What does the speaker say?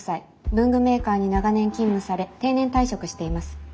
文具メーカーに長年勤務され定年退職しています。